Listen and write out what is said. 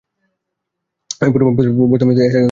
এই পরিমাপ বর্তমানে এসআই একক পদ্ধতিতে চালু আছে।